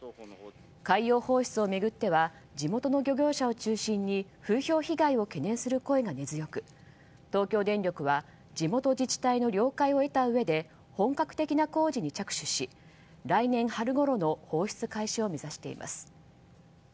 海洋放出を巡っては地元の漁業者を中心に風評被害を懸念する声が根強く東京電力は地元自治体の了解を得たうえで本格的な工事に着手し来年春ごろの放出開始を目指しています。